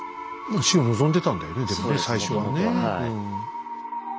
死を望んでたんだよねでもね最初はね。